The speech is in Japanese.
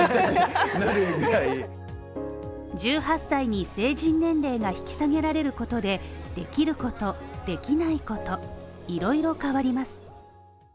１８歳に成人年齢が引き下げられることでできること、できないこといろいろ変わります。